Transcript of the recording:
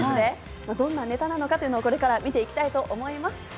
どんなネタなのか、これから見ていきたいと思います。